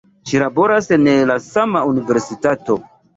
Ŝi laboras en la sama universitato.